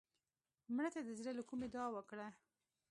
مړه ته د زړه له کومې دعا وکړه